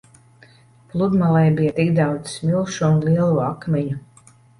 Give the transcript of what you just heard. Pludmalē bija tik daudz smilšu un lielo akmeņu.